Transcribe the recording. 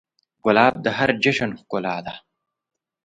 ګلاب د هر جشن ښکلا ده.